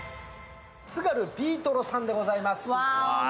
津軽びいどろさんでございます。